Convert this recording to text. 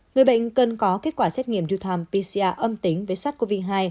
người bệnh cần có kết quả xét nghiệm lưu tham pcr âm tính với sát covid hai